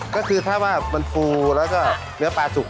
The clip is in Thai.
ก็คือถ้าว่ามันฟูแล้วก็เนื้อปลาสุก